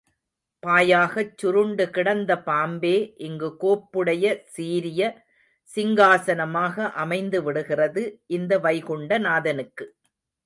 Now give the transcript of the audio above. பாயாகச்சுருண்டு கிடந்த பாம்பே இங்கு கோப்புடைய சீரிய சிங்காசனமாக அமைந்து விடுகிறது, இந்த வைகுண்ட நாதனுக்கு.